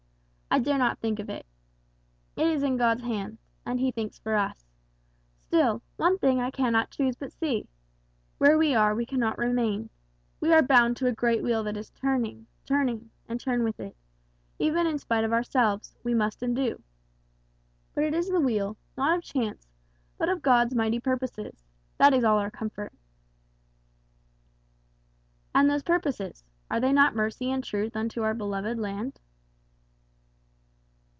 I dare not think of it. It is in God's hand, and he thinks for us. Still, one thing I cannot choose but see. Where we are we cannot remain. We are bound to a great wheel that is turning turning and turn with it, even in spite of ourselves, we must and do. But it is the wheel, not of chance, but of God's mighty purposes; that is all our comfort." "And those purposes, are they not mercy and truth unto our beloved land?"